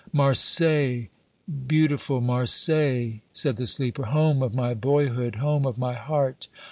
"Marseilles! beautiful Marseilles!" said the sleeper. "Home of my boyhood, home of my heart.